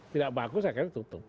tidak bagus saya kira tutup